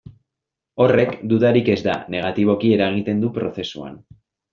Horrek, dudarik ez da, negatiboki eragiten du prozesuan.